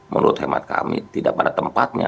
menurut hemat kami tidak pada tempatnya